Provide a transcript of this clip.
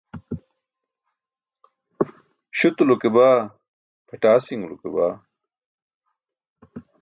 Śutulo ke baa, pʰatasiṅulo ke baa.